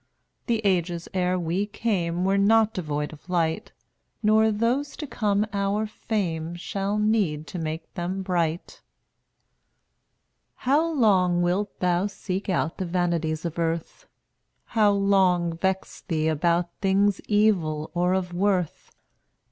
The ages ere we came Were not devoid of light, Nor those to come our fame Shall need to make them bright. 211 How long wilt thou seek out The vanities of earth? How long vex thee about Things evil or of worth?